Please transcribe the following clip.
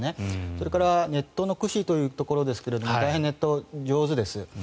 それからネットの駆使というところですが大変、ネット上手です。